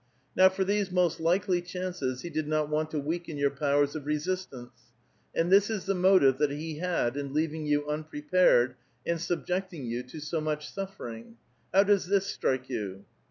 Now for these most likely chances he did not want to weaken your powers of resist ance. And this is the motive that he had in leaving 3'oa unprepared and subjecting you to so much suffering. How does this strike you